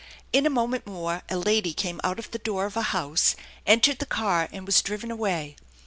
In a moment more a lady came out of the door of a house, entered the ear, and was driven away.